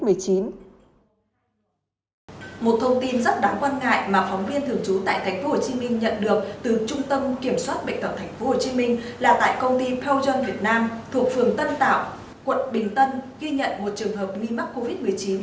một thông tin rất đáng quan ngại mà phóng viên thường trú tại tp hcm nhận được từ trung tâm kiểm soát bệnh tật tp hcm là tại công ty poucheron việt nam thuộc phường tân tạo quận bình tân ghi nhận một trường hợp nghi mắc covid một mươi chín